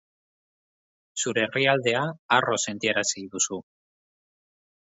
Zure herrialdea harro sentiarazi duzu.